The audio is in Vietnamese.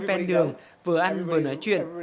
ven đường vừa ăn vừa nói chuyện